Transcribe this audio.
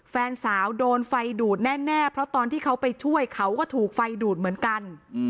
แฟนสาวโดนไฟดูดแน่เพราะตอนที่เขาไปช่วยเขาก็ถูกไฟดูดเหมือนกัน